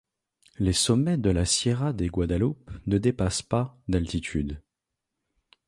Les sommets de la Sierra de Guadalupe ne dépassent pas d'altitude.